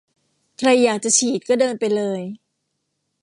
ใครอยากฉีดก็เดินไปเลย